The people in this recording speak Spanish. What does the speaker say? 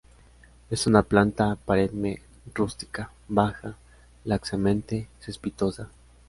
Es una planta perenne rústica, baja, laxamente cespitosa.